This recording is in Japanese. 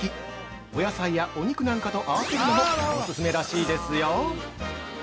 お野菜やお肉なんかと合わせるのもオススメらしいですよ！